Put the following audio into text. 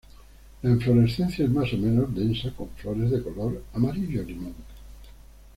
La inflorescencia es más o menos densa, con flores de color amarillo limón.